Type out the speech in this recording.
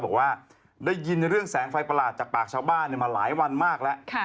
บอกว่าได้ยินเรื่องแสงไฟประหลาดจากปากชาวบ้านมาหลายวันมากแล้ว